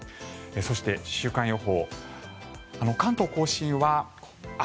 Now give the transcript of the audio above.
そして、週間予報。